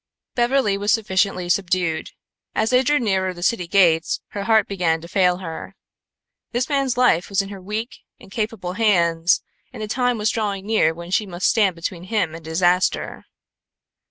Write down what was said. Beverly was sufficiently subdued. As they drew nearer the city gates her heart began to fail her. This man's life was in her weak, incapable hands and the time was nearing when she must stand between him and disaster.